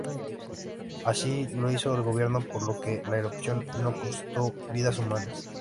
Así lo hizo el gobierno, por lo que la erupción no costó vidas humanas.